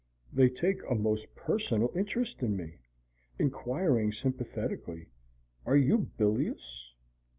They take a most personal interest in me, enquiring sympathetically, "Are you bilious?"